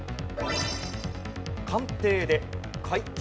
官邸で会見。